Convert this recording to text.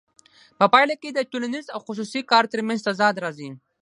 په پایله کې د ټولنیز او خصوصي کار ترمنځ تضاد راځي